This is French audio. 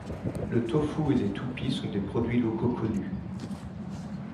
Le tofu et les toupies sont des produits locaux connus.